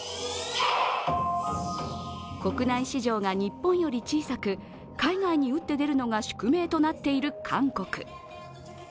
国内市場が日本より小さく海外に打って出るのが宿命となっている韓国。